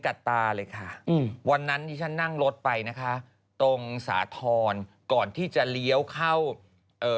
ตาเลยค่ะอืมวันนั้นที่ฉันนั่งรถไปนะคะตรงสาธรณ์ก่อนที่จะเลี้ยวเข้าเอ่อ